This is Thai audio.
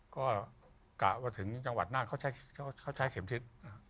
ก็กะว่าถึงจังหวัดน่านเขาใช้เข็มทิศ